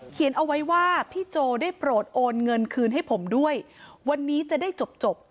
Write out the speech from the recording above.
เอาไว้ว่าพี่โจได้โปรดโอนเงินคืนให้ผมด้วยวันนี้จะได้จบ